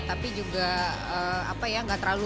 tapi juga nggak terlalu lengket lengket kemana gitu